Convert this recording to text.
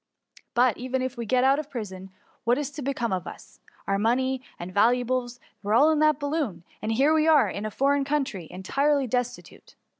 But, even if we get out of prison, what is to become of us ? Our money and vHuables were all in the balloon ; and here we are, in a foreign country, entirely destitute.'